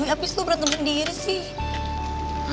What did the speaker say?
yoi abis lo berantem antem diri sih